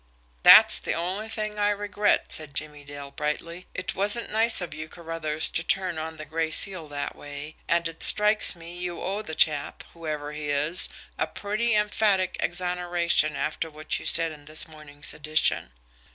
"That's the only thing I regret," said Jimmie Dale brightly. "It wasn't nice of you, Carruthers, to turn on the Gray Seal that way. And it strikes me you owe the chap, whoever he is, a pretty emphatic exoneration after what you said in this morning's edition."